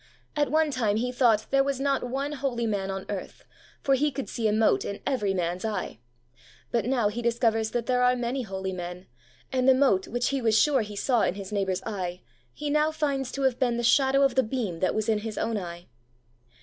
At one time he thought that there was not one holy man on earth, for he could see a mote in every man's eye ; but now he discovers that there are many holy men, and the mote which he was sure he saw in his neighbour's eye he now finds to have been the shadow of the beam that was in his own eye.